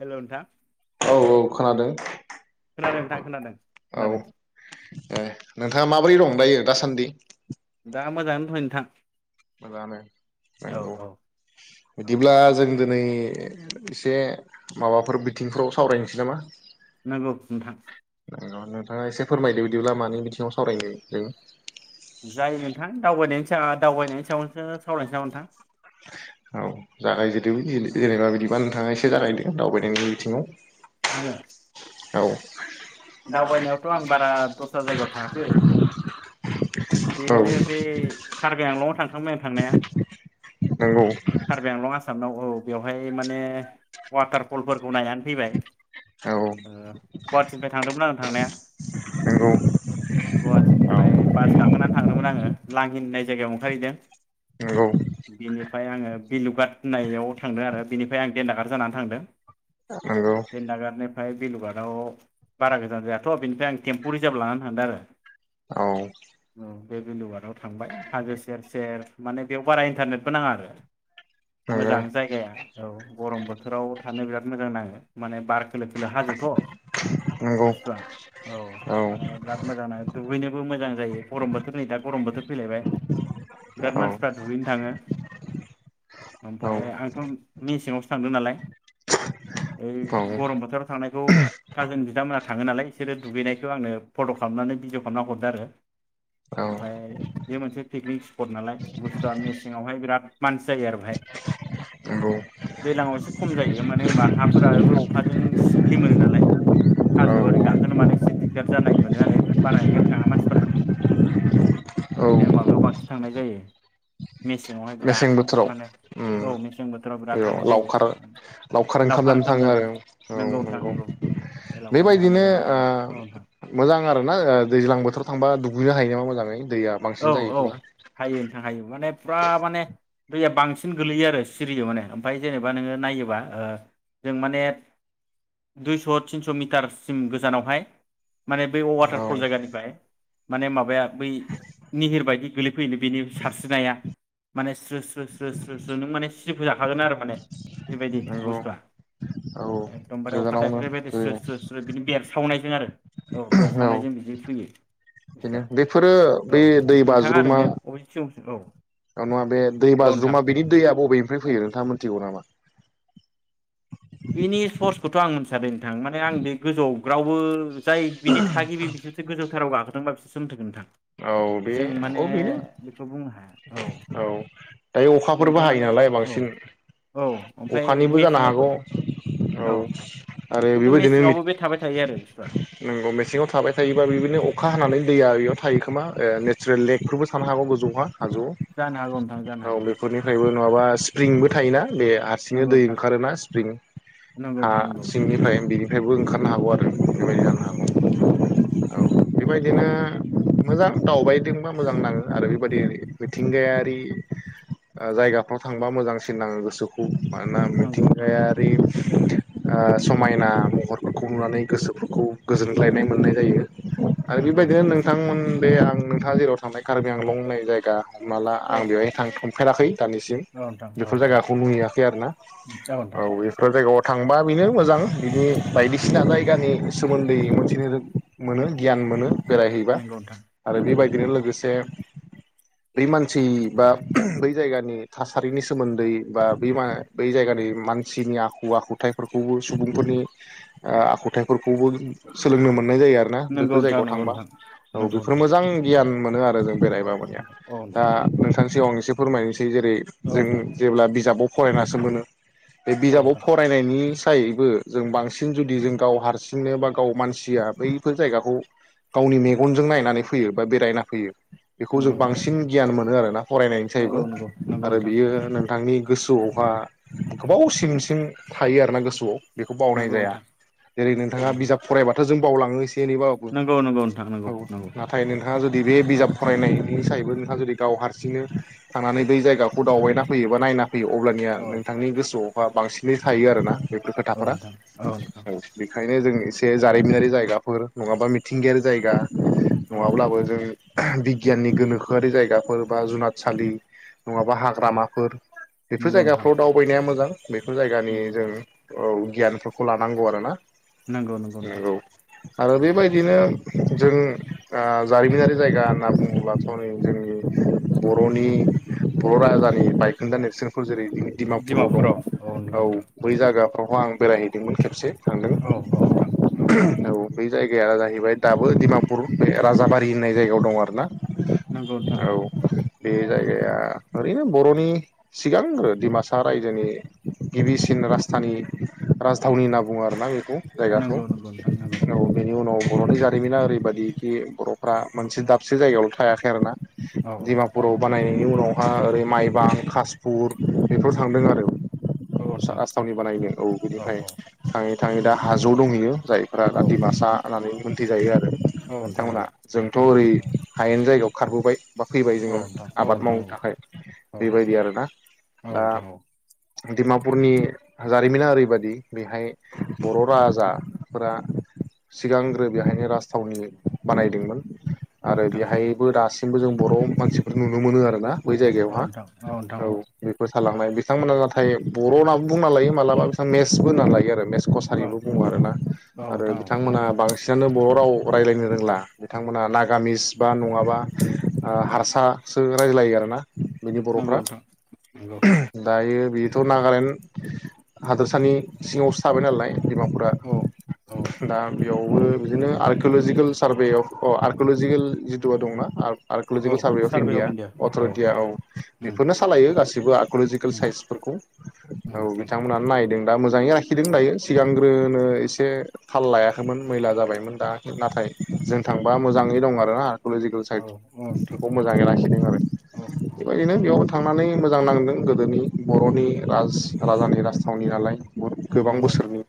हेल' नोंथां औ औ खोनादों खोनादों नोंथां खोनादों औ खोनादों ए नोंथाङा मा बोरै दं‌ दायो दासान्दि दा मोजाङानो दंथयो नोंथां मोजाङानो औ नंगौ औ औ बिदिब्ला जों दि नै एसे माबाफोर बिथिंफ्राव सावरायनोसै नामा नंगौ नोंथां नोंथाङा एसे फोरमायदो बिदिब्ला मानि बिथिङाव सावरायनो जों जायो नोंथां दावबायनायनि सा दावबायनायनि सायावसो सावरायनायनोसै नामा नोंथां औ जागाय जेनदो जेनेबा बिदिबा नोंथाङा एसे एसे जागायदो दावबायनायनि बिथिङाव आङो औ दावबायनायावथ' आं बारा दस्रा जायगायाव थाङाखै औ बेनो बे कार्बि आंलंआव थांखांबाय आं थांनाया नंगौ कार्बि आंलंआ औ बेवहाय माने वाटारपलफोर गनायानो फैबाय औ ओ गुवाहाटि थांदोंमोन आं थांनाया नंगौ औ गुवाहाटीफाइ बास गाखोना थांदोंमोन आङो लांहिन जायगायाव ओंखारहैदों नंगौ नंगौ बिनिफ्राय आङो बिलुगाथ होननायाव थांदों आरो बेनिफ्राय आं देनदागार जानानै थांदों नंगौ ओमफ्राय बेलुगाराव बारा गोजान जायाथ' बिनिफ्राय आं टेम्पु रिजार्भ लानानै थांदों आरो औ औ बे भैलुगाराव थांबाय हाजो सेर सेर माने बेयाव बारा इन्टारनेटबो नाङा आरो नंगौ मोजां जायगाया औ गरम बोथोराव थानो बिराद मोजां नाङो माने बार खोलो खोलो हाजोथ' नंगौ बुस्थुआ औ माने बिराद मोजां दुगैनो बो मोजां जायो गरम बोथोर नै दा गरम बोथोर फैलायबाय बिराद मानसिफोरा दुगैनो थाङो ओमफाय आंथ' मेसेंआवसो थांदों नालाय ओइ औ गरम बोथोराव थांनायखौ काजिन बिथांमोनहा थाङो नालाय बिसोरो दुगैनायखौ आंनो फट' खालामनानै भिडिअ खालामना हरदों आरो औ ओमफ्राय बे मोनसे पिकनिक स्पट नालाय बुस्थुआ मेसेंआवहाय बिराद मानसि जायो आरो बाहाय नंगौ दैज्लाङाव एसे खम जायो मानो होनबा हाफोराबो अखाजों सि लिमोनो नालाय औ हाजोआव ओरै गाखोनो मान एसे दिगदार जानाय मोनो आरो बारा ओंखायनो थाङा मान सिफोरा औ ओरैनो माबायाव बांसिन थांनाय जायो मेसेंआवहाय मेसें बिराद बोथोराव माने उम औ मेसें बोथोराव बिराद बेयाव थांनाय लावखार जायो लावखार ओंखाम जानो नंगौ नोंथां नंगौ बेबायदिनो ओ मोजां आरोना दैज्लां बोथोर थांबा दुगैनो हायो नामा मोजाङै दैया औ बांसिन औ जायोब्ला हायो नोंथां हायो माने फुरा माने दैया बांसिन गोलैयो आरो सिरियो माने ओमफ्राय जेनेबा नोङो नायोबा ओ जों माने दुइस' थिनस' मिटारसिम गोजानावहाय माने बै औ वाटारफल जायगानिफ्राय माने माबाया बै निहिर बायदि गोलै फैयो बेनि सारस्रिनाया माने स्रो स्रो स्रो स्रो स्रो नों माने सिजोबजाखागोन आरो माने बेबायदि नंगौ बुस्थुआ औ एखदमबारे अखा गोजानावनो थाइफेर बेबायदि औ स्रो स्रो स्रो बिनि बेरसावनायजों आरो औ बेरसावनायजों बिदि फैयो बेनो बुस्थुआ बेफोरो औ बे नोंथाङा ओरैनो अबे औ ओ नङा बे दै औ नोंथां बाज्रुमा बिनि दैया बबेनिफ्राय फैयो नोंथाङा मिथिगौ नामा बिनि स्पर्टसखौथ' आं मोनथियादै नोंथां माने आं बे गोजौआव रावबो जाय बिनि थागिबि बिसोरसो गोजौथाराव मानो‌ होनबा बिसोरसो मोनथि गोन नोंथां औ बेे जों माने औ बेनो बेखौ बुंनो हाया औ दायो अखाफोरबो जोंथ' हायो माने नालाय औ बांसिन औ ओमफ्राय अखानिबो जानो मेसेङावथ' हागौ औ आरो खिन्थु बेबायदिनो मेसेङावबो बे थाबाय थायो आरो बुस्थुआ नंगौ मेसेङाव थाबाय थायोबा बेबायदिनो अखा हानानै दै आ थायो खोमा ओ नेचारेल लेकफोरबो थानो हागौ गोजौहा हाजौ जानो हागौ नोंथां जानो औ हागौ बेफोरनिफ्रायबो नङाबा औ स्प्रिंबो थायोना बे हारसिंनो नंगौ दै नोंथां ओंखारोना स्प्रिं नंगौ हा नोंथां सिंनिफ्राय बेनिफ्रायबो नंगौ ओंखारनो हागौ आरो बेबायदि जानो नंगौ नंगौ नोंथां हागौ औ औ नोंथां बेबायदिनो मोजां दावबायदोंबा मोजां नाङो आरो बेबायदि मिथिंगायारि जायगाफ्राव थांबा मोजांसिन नाङो गोसोखौ मानोना नंगौ नोंथां मिथिंगायारि ओ समायना महरफोरखौ नुनानै गोसोफोरखौ गोजोनग्लायनाय मोननाय जायो आरो नंगौ बेबायदिनो नोंथां नों मोन दे आं नोंथाङा जेराव थांनाय कारबिआंलं होननाय जायगा होमाला औ आं बेवहायनो थांथनो फेराखै दानिसिम नोंथां औ नोंथां औ बेफोर नोंथां जायगाखौ नुहैयाखै आरो ना औ बेफोर जायगायाव थांबा बेनो मोजां बिनि बायदिसिना जायगानि सोमोनदै मोनथिनो मोनो गियान मोनो बेरायहै नंगौ नोंथां बेनो लोगोसे बै मानसि बा बै जायगानि थासारिनि सोमोन्दै बा ब बै जायगानि मानसिनि आखु आखुथायाइफोरखौबो सुबुंफोरनि ओ आखुथायाइफोरखौबो सोलोंनो मोनो मोननाय जायो आरो ना नंगौ बैफोर नोंथां जायगायाव नंगौ थांबा नोंथां औ नंगौ बेफोर नोंथां मोजां गियान मोनो आर लोगोजों औ बेरायबा होमबानिया दा नोंथां नोंथां सिगां एसे फोरमायनोसै जेरै औ जों नोंथां जेब्ला बिजाबाव फरायनासो मोनो बे औ बिजाबाव फरायनायनि थाइबो जों बांसिन जुदि जों गाव हारसिंनो बा गाव मानसिया बैफोर जायगाखौ गावनि मन गनजों नायनानै फैयो बा बेरायना फैयो बेखौ जों नोंथां बांसिन गियान मोनो मोनो आरो ना फरायनायनि सायबो नंगौ नोंथां नंगौ आरो नोंथां बियो नोंथांनि गोसोआवहा गोबाव सिं सिं थायो आरोना गोसोआव बेखौ बावनाय नंगौ जाया नोंथां जेरै नोंथाङा नंगौ बिजाब फरायबाथाय खो जों बावलाङोसै बेनि बाबो नंगौ नंगौ नोंथां औ नंगौ नंगौ नाथाय नों नोंथाङा जुदि बे बिजाब फरायनायनि सायबो नोंथाङा जुदि गाव हारसिंनो थानानै बै जायगाखौ दावबायना फैयोबा नायना फैयो अब्लानिया औ नोंथांनि गोसोआव बा बांसिनै थायो आरोना बेफोर औ खोथाफोरा नोंथां नोंथां औ बे ओंखायनो जों एसे जारिमिनारि जायगाफोर नङाबा मिथिंगायारि जायगा औ नोंथां नङाब्लाबो जों बिगियाननि गोनोखोआरि जायगाफोर बा जुनादसालि नङाबा हाग्रामाफोर बेफोर नंगौ नोंथां जायगाफ्राव दावबायनाया मोजां बेखौ जायगानि नंगौ जों नोंथां औ गियानफोरखौ लानांगौ आर ना नंगौ नोंथां नंगौ आरो नंगौ बेबायदिनो जों ओ जारिमिनारि जायगा होनना बुङोब्लाथ' नै जोंनि बर'नि बर' राजानि बायखोन्दा नेरसोनफोर जेरै डिमापुराव दं औ बै जायगा अह आं बेरायहैदोंमोन खेबसे थांदों औ औ नोंथां औ बै जायगाया जाहैबाय दाब बो डिमापुर बे राजाबारि होननाय जायगायाव दं आरो ना नंगौ नोंथां बे जायगाया ओरैनो बर'नि सिगां आरो डिमासा रायजोनि गिबिसिन राजथानि राजधावनि होनना बुङो आरो ना बेखौ जायगाखौ नंगौ नंगौ नोंथां नंगौ औ बेनि उनाव बर'नि नंगौ जादों ओरैबायादिखि बर'फ्रा मोनसे दाबसे जायगायावल थायाखै आरो ना औ औ दिमापुराव बानायनायनि उनाव ओरै माइबां खासपुर बेफोराव थांदों आरो औ नोंथां राजथावनि बानायदों औ बेनिफ्राय थाङै ओमफ्राय दा हाजोआव दंहैयो जायफोरा औ दा दिमासा होननानै बिदि जायो आरो औ नोंथां औ बिथांमोना जोंथ ओरै औ हायेन जायगायाव खारबोबाय बा फैबाय औ जोङो नोंथां औ आबाद नोंथां मावनो औ थाखाय औ बेबायदि आरो ना औ दा नोंथां औ डिमापुरनि जारिमिना ओरैबायदि बेहाय बर' राजाफोरा सिगां फोर बेहायनो राजथावनि बानायदोंमोन औ नोंथां औ आरो नोंथां बेहायबो दासि मबो जों बर' मानसिफोर नुनो मोनो आरो ना बै जायगायावहा औ नोंथां औ बेफोर थालांनाय बिथांमोना नाथाय बर' होनाबो बुंना लायो मालाबा बिथां मेसबो होननानै लायो आरो मेस औ कसारिबो बुङो आरो ना औ आरो नोंथां औ बिथांमोना बांसिन बिसोरनो बर' राव रायलायनो रोंला बिथांमोना नागामिस बा नङाबा हारसासो रायलायो आरो ना बिनि नंगौ बर'फ्रा नोंथां नंगौ दायो बेथ नागालेण्ड हादोरसानि सिङावसो थाबाय नालाय दिमापुरा औ औ दा बेयाव बे बिदिनो archaeological survey of uh archaeological जिथुवा दंना आरकलजिकेल सार्भे अफ इण्डिया अथरिटिया औ उम बेफोरनो सालायो गासिबो दिबो इकलजिकेल उम साइन्सफोरखौ उम औ नोंथां बिथांमोनानो नायदों दा मोजाङै आखिदों दायो सिगांग्रोनो एसे थाल लायाखैमोन मैला जाबायमोन दा नाथाय जों थांबा मोजाङै दं आरो ना इकलजिकेल औ औ नोंथां साइदखौ मोजाङै लाखिदों आरो औ औ बेबायदिनो बेयाव थांनानै मोजां नांदों गोदोनि बर'नि राज राजानि राजथावनि नालाय गोबां नंगौ नोंथां बोसोरनि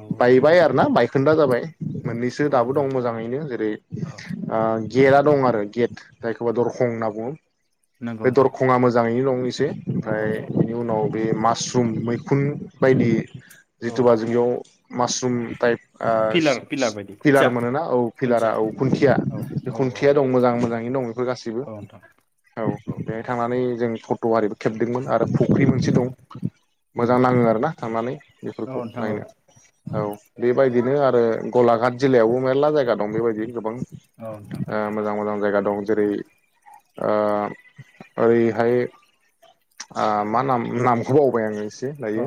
नंगौ नोंथां बायबाय आरो ना बाय खोन्था जाबाय मोननैसो औ दाबो दं नोंथां मोजाङैनो जेरै औ ओ गेटआ दं आरो गेट जायखौबा दरखं होनना बुङो नंगौ बे नोंथां दरखङा मोजाङैनो दङ औ औ ओमफ्राय औ बिनि उनाव बे मा मास्रुम मैखुन बायदि औ औ जिथुबा जों बेयाव मासरुम टाइप आ पिलार पिलार बायदि पिलार खुन्थिया मोनो ना औ पिलारा खुन्थिया औ खुन्थिया औ बे औ औ खुन्थिया दं मोजां मोजाङै दङ बेफोर गासैबो औ नोंथां औ बेहाय थांनानै जों फट' आरिबो खेबदोंमोन आरो फुख्रि मोनसे उम दं उम मोजां नाङो आरोना थांनानै औ बेफोरखौ नोंथां औ नायनो औ बे बायदिनो आरो गलाघाट जिल्लायावबो मेर्ला जायगा दं बेबायदि गोबां औ नोंथां ओ मोजां मोजां जायगा दं जेरै ओ ओरैहाय मा नाम नामखौ बावबाय औ आङो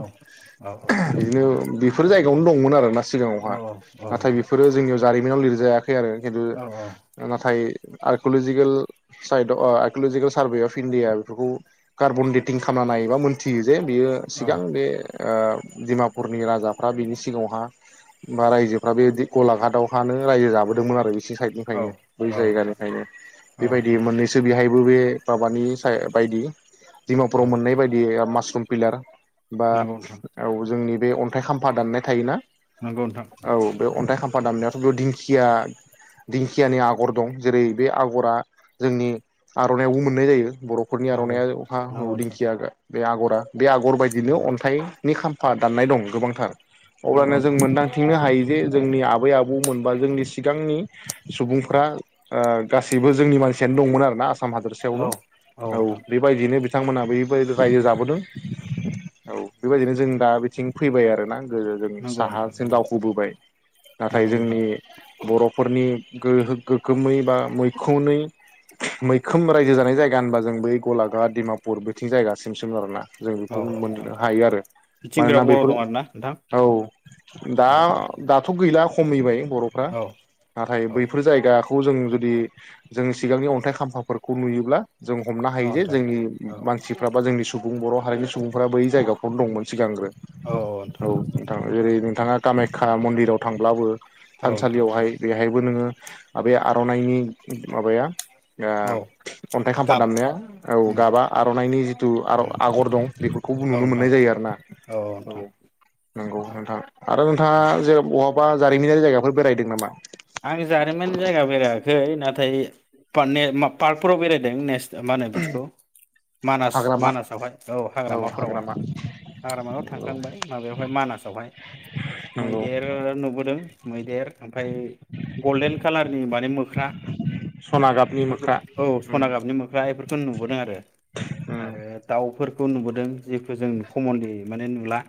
औ बिदिनो बेफोर जायगायावनो दंमोन आरो ना सिगाङावहा औ औ औ नाथाय नोंथां बेफोरो जोंनियाव जारिम नाव लिरजाया खै आरो खिन्थु औ नाथाय आर्क'ल'जिकेल साइद आर्क'लजिकेल सार्भे अफ इण्डिया बेफोरखौ कार्बन डेटिं खालामना नायोबा मोनथियो जे बियो औ सिगां बे ओ डिमापुरनि राजाफ्रा बिनि सिगाङावहा बा रायजो ओमफ्राय बे गलाघाटआवहानो रायजो जाबोदोंमोन आरो औ साइडनिफ्रायनो बै नोंथां जायगानिफ्रायनो औ बेबायदि नोंथां मोननैसो बेहाय बबे माबानि बायदि दिमापुराव औ मोननाय बायदि मा समफिलार बा नंगौ नोंथां औ जोंनि बे अन्थाइ खाम्फा दान्नाय थायोना नंगौ नोंथां औ बे अन्थाइ खाम्फा दामनायाथ' बेयाव दिंखिया दिंखियानि आगर दं जेरै बे आग'रा जोंनि आर'नायावबो मोननाय जायो बर'फोरनि नंगौ आर'नाइया अखा हौ नंगौ नोंथां दिंखिया बे आगरा बे आगर बायदिनो नंगौ अन्थाइनि खाम फा दाननाय दं गोबांथार नंगौ अब्लानो जों नोंथां मोन्दांथिंनो हा हायो जे जोंनि आबै आबौमोन बा जोंनि सिगांनि सुबुंफ्रा ओ गासैबो जोंनि मानसियानो दंमोन आरोना आस साम औ हादोरसायावनो औ बेबायदिनो बिथांमोनहा बेबाय रायजो जाबोदों औ बेबायदिनो जों दा बिथिं फैबाय आरोना गोदो जों नंगौ साहा नोंथां जों नंगौ दाव खोबोबाय नाथाय नंगौ नोंथां जोंनि बर'फोरनि गोहो गोखोमै बा मैखुनै मैखोम रायजो जानाय जायगा होनबा जों बै गलाघाट डिमापुर बेथिं जायगासिम सोमोन आरोना जों औ बेखौ औ मोननो नोंथां औ हायो आरो बिथिं बिराद मानोना बर' बैफोरो दं आरोना नोंथां औ दा औ औ दाथ' गै ला खमैबाय बर'फ्रा औ नाथाय औ बैफोर जायगाखौ जों जुदि जों सिगांनि अन्थाइ खाम्फाफोरखौ नुयोब्ला जों हमनो हायो जे नोंथां जोंनि औ मानसिफ्रा बा जोंनि सु बुं बर' हारिनि सुबुंफोरा बै जायगाखौनो दंमोन सिगांग्रो औ औ नोंथां नोंथां जेरै नोंथाङा औ कामायखा मन्दिराव थांब्लाबो औ नोंथां थानसालियावहाय बेहाय बो नोङो आबाया बै आर'नाइनि माबाया औ ओ अन्थाइ खाम्फा गाब दामनाया औ उम गाबा आर'नाइनि जिथु उम आगर दं बेफोरखौ औ नुनो नोंथां मोननाय जायो आर ना औ नंगौ औ नोंथां औ ओंथाङा जेरावबो बहाबा जारिमिनारि जायगाफोर बेरायदों नामा आं जारिमिन जायगा बेरायाखै नाथाय पारने मा पार्कफोराव बेरायदों नेस मा होनो बिदिखौ मानास हाग्रामा मानासावहाय औ हाग्रामाफोरावहाय हाग्रामायाव औ थांखांबाय माबायावहाय मानासावहाय नंगौ मैदेर नुबोदों मैदेर ओमफाय गल्डेन कालारनि बाने मोख्रा सना गाबनि बेफोरखौ मोख्रा औ सना उम गाबनि मोख्राफोर बेखौ नुबोदों आरो उम आरो दाउफोरखौ नुबोदों जिखु जों कमनलि माने नुला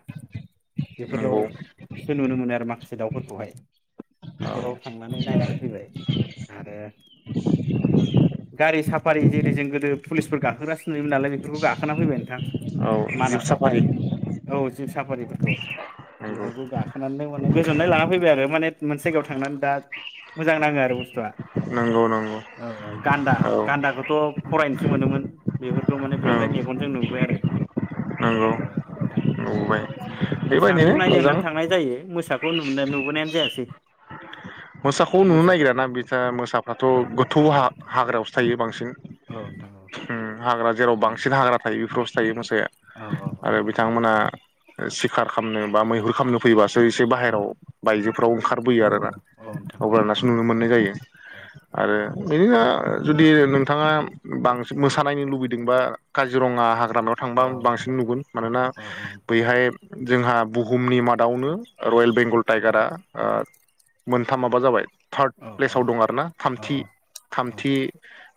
नंगौ बेफोरावसो नुनो मोनो आरो ना बे दावफोरखौहाय औ माने नायनानै फैबाय आरो गारि साफारि जेरै जों गोदो पुलिसफोर गाखोग्रासो नुयोमोन नालाय बेफोरखौ गाखोना फैबाय नोंथां औ जिब मानासावहाय साफारि औ जिब साफारिफोरखौ नंगौ इफोरखौ गाखोनानै होबाय गोजोननाय लाना फैबाय आरो माने मोनसे जायगायाव थांनानै दा मोजां नाङो आरो बुस्थुआ नंगौ नंगौ औ औ गान्दा औ गान्दाखौथ' फरायनोसो मोनोमोन बेफोरखौ माने औ बेवहाय मेगनजों नुबाय आरो नंगौ औ नोंथां नुबोबाय [unintelligible] मोसाखौ बेबायदिनो नायनो मोजां होननानै थांनाय जायो मोसा बो नुनाय नुबोनायानो जायासै मोसाखौ नुनो नागिराना बिथ' मोसाफ्राथ' औ गोथौ हाग्रायावसो थायो बांसिन औ नोंथां औ नोंथां औ ओम हाग्रा जेराव उम बांसिन हाग्रा थायो बेफोरावसो थायो मोसाया औ औ औ आं सिखार खालामनो बा मैहुर खालामनो फैबासो ओ एसे बाहेराव बायजोफोराव ओंखारबोयो औ आरो ना औ औ नोंथां अब्लानासो नुनो मोनो जायो औ आरो बिदिनो जुदि नोंथाङा बांसिन मोसा नायनो लुबैदोंबा काजिरङा हाग्रा हाग्रामायाव औ थांबा बांसिन नुगोन मानोना औ बैहाय जोंहा बुहुमनि मादावनो रयेल बेंगल टाइगारा ओ मोनथाम माबा जाबाय थार्द प्लेसाव दं आरोना थामथि थामथि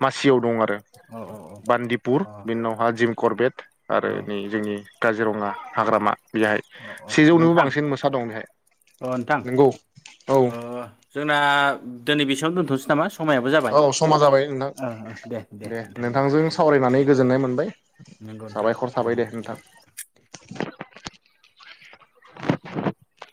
मासियाव दं आरो औ बान्दिपुर बेनि उनावहा जिम करबेट आरो नै जोंनि काजिरङा हाग्रामा बेहाय औ औ सेजौनिबो नोंथां बांसिन मोसा दं अ नोंथां नंगौ औ अ जोंना दिनै बेसेयावनो दोनथ'नोसै थांनां सिगोन औ समा जाबाय नोंथां दे नोंथां नोंथांजों दे सावरायनानै दे गोजोननाय मोनबाय नंगौ नोंथां साबायखर थाबाय दे गोजोनबाय ओ दे नोंथां [inaudible]